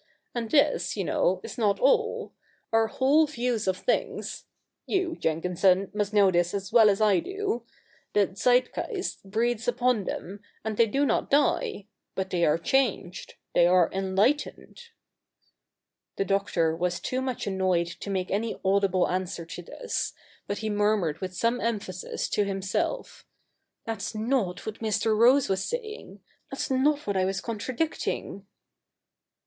And this, you know, is not all. Our whole views of things — (you, Jenkinson, must know this as well as I do) — the Zeitgeist breathes upon them, and they do not die ; but they are changed — they are enlightened.' The Doctor was too much annoyed to make any audible answer to this ; but he murmured with some emphasis to himself, ' That's 7iot what Mr. Rose was saying ; that's not what I was contradicting.'